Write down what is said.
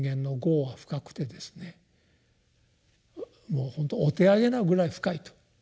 もうほんとお手上げなぐらい深いと。